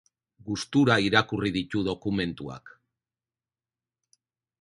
Gustura irakurri ditu dokumentuak.